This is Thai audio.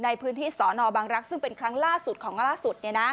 ในพื้นที่สอนอบังรักษ์ซึ่งเป็นครั้งล่าสุดของล่าสุด